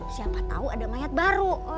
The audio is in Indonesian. siapa tahu ada mayat baru